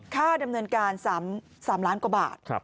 ค่าดำเนินการ๓ล้านกว่าบาท